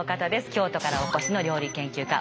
京都からお越しの料理研究家